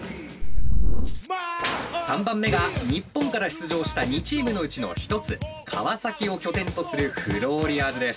３番目が日本から出場した２チームのうちの一つ川崎を拠点とするフローリアーズです。